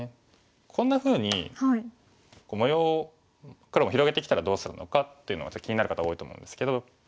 こんなふうに模様を黒も広げてきたらどうするのかっていうのが気になる方多いと思うんですけど。